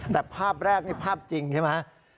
แต่ภาพแรกนี่ภาพจริงใช่มะภาพจริง